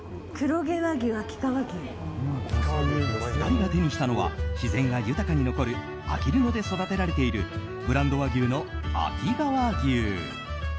２人が手にしたのは自然が豊かに残るあきる野で育てられているブランド和牛の秋川牛。